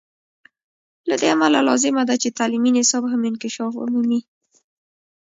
له دې امله لازمه ده چې تعلیمي نصاب هم انکشاف ومومي.